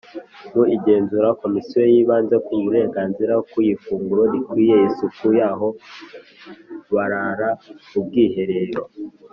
Mu igenzura Komisiyo yibanze ku burenganzira ku ifunguro rikwiye isuku y aho barara ubwiherero